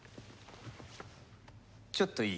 ちょっといい？